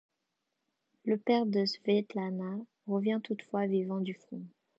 Le père de Svetlana revient toutefois vivant du front.